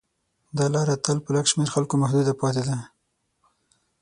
دا لاره تل په لږ شمېر خلکو محدوده پاتې ده.